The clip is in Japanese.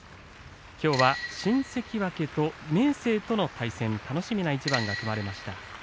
きょうは新関脇、明生との対戦楽しみな一番が組まれました。